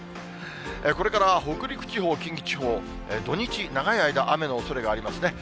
これから北陸地方、近畿地方、土日、長い間、雨のおそれがありますね。